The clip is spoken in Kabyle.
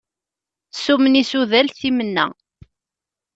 Summen isudal timenna.